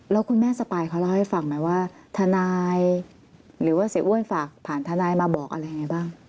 แล้วคุณแม่สปายเขาเล่าให้ฟังไหมว่าทนายหรือว่าเสียอ้วนฝากผ่านทนายมาบอกอะไรยังไงบ้าง